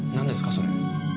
それ。